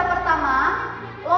ini catanya apa